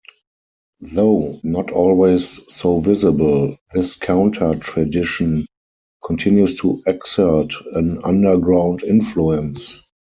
Though not always so visible, this counter-tradition continues to exert an underground influence.